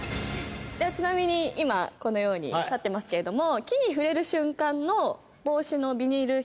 ちなみに今このように立ってますけれども。